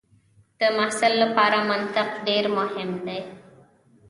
د محصل لپاره منطق ډېر مهم دی.